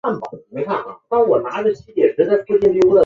后由翁楷接任。